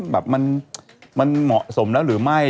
ว่ามันเหมาะสมหรือไม่